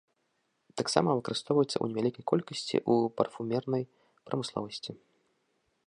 Таксама выкарыстоўваецца ў невялікай колькасці ў парфумернай прамысловасці.